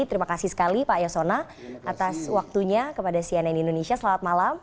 terima kasih sekali pak yasona atas waktunya kepada cnn indonesia selamat malam